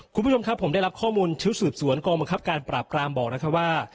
คุณผู้ชมครับผมได้รับข้อมูลชุดสืบสวนกองบังคับการปราบกรามบอกนะครับว่า